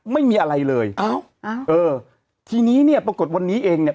ไม่มีอะไรเลยทีนี้เนี่ยปรากฏวันนี้เองเนี่ย